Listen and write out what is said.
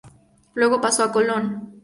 Luego pasó a Colón.